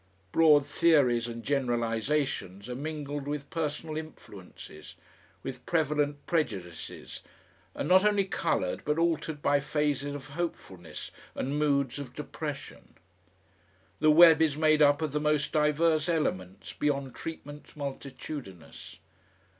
Broad theories and generalisations are mingled with personal influences, with prevalent prejudices; and not only coloured but altered by phases of hopefulness and moods of depression. The web is made up of the most diverse elements, beyond treatment multitudinous....